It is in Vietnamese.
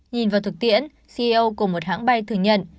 nhìn vào thực tiễn ceo của một hãng bay thừa nhận